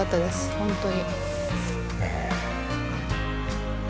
本当に。